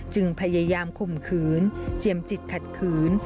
จึงพยายามข่มขืนเจียมจิตขัดขืน